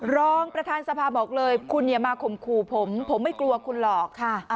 รองประธานสภาบอกเลยคุณอย่ามาข่มขู่ผมผมไม่กลัวคุณหรอก